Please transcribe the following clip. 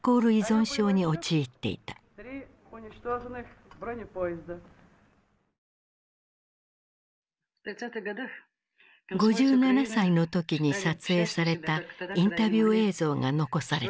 ５７歳の時に撮影されたインタビュー映像が残されている。